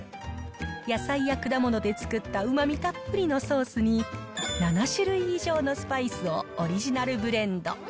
野菜や果物で作ったうまみたっぷりのソースに、７種類以上のスパイスをオリジナルブレンド。